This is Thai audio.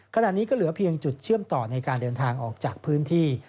ขณะนี้ก็เหลือเพียงจุดเชื่อมต่อในการเดินทางออกจากพื้นที่